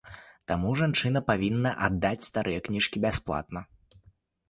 Таму жанчына павінна аддаць старыя кніжкі бясплатна.